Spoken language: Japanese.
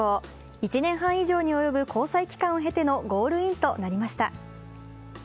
１年半以上に及ぶ交際期間を経てのゴールインとなりました。